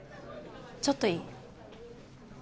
ちょっといい？